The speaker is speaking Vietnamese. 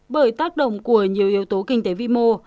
bởi tác động của nhiều yếu tố kinh tế vi mô